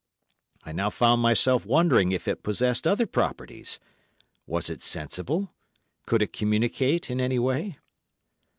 I now found myself wondering if it possessed other properties: Was it sensible? Could it communicate in any way?